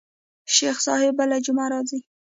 شيخ صاحب بله جمعه راځي.